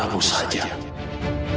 aku mencurigai ada sesuatu yang tidak beres